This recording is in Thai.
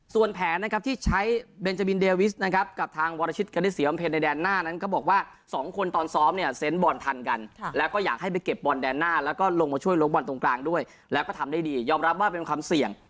ส่วนแผนที่ใช้เป็นจาบินเดยวิส